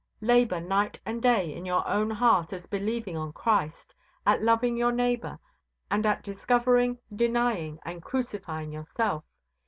Labour night and day in your own heart at believing on Christ, at loving your neighbour, and at discovering, denying, and crucifying yourself.